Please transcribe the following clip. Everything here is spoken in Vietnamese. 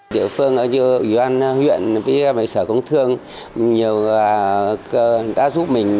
địa phương ở nhiều dự án huyện sở công thương nhiều người đã giúp mình